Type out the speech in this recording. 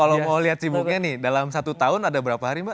kalau mau lihat sibuknya nih dalam satu tahun ada berapa hari mbak